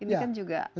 ini kan juga ada